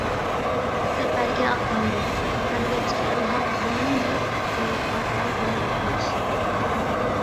سەپەرگە ئاتلاندىم بەرگەچكە ئىلھام زېمىننى يورۇتقان ئاي بىلەن قۇياش.